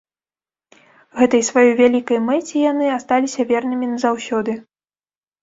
Гэтай сваёй вялікай мэце яны асталіся вернымі назаўсёды.